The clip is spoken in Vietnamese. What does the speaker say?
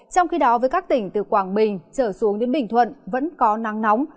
trong khi đó với các tỉnh từ quảng bình trở xuống đến bình thuận vẫn có nắng nóng